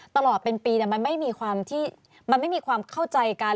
ตลอดเป็นปีมันไม่มีความเข้าใจกัน